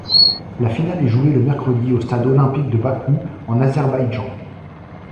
La finale est jouée le mercredi au Stade olympique de Bakou en Azerbaïdjan.